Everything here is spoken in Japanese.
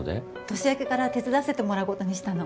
年明けから手伝わせてもらうことにしたの。